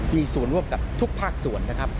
มีส่วนร่วมกับทุกภาคส่วนนะครับ